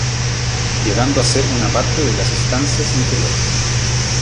Llegando a ser una parte de las estancias imperiales.